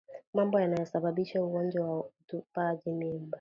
Mambo yanayosababisha ugonjwa wa utupaji mimba